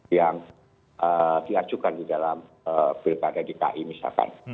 yang diajukan di dalam pilkada dki misalkan